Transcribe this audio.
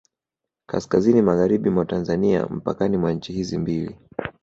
Kaskazini magharibi mwa Tanzania mpakani mwa nchi hizi mbili